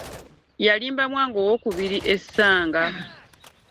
Yalimba Mwanga ow'okubiri essanga .